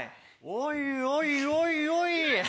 おいおいおいおい。